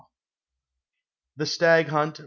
THE STAG MINT.